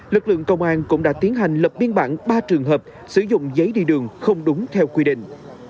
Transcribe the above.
lực lượng công an cũng đã tiến hành lập biên bản ba trường hợp sử dụng giấy đi đường không đúng theo quy định